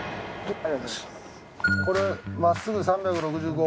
これまっすぐ３６５。